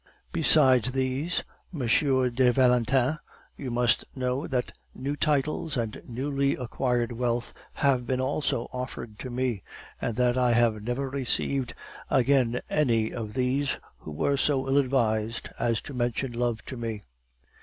Besides these, Monsieur de Valentin, you must know that new titles and newly acquired wealth have been also offered to me, and that I have never received again any of those who were so ill advised as to mention love to me.